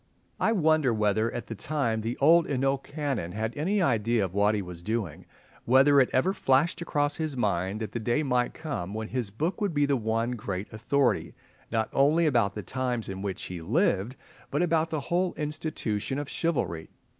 I wonder whether, at the time, the old Hainault Canon had any idea of what he was doing—whether it ever flashed across his mind that the day might come when his book would be the one great authority, not only about the times in which he lived, but about the whole institution of chivalry?